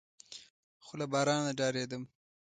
خو له بارانه ډارېدم.